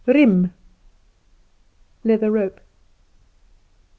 Riem Leather rope.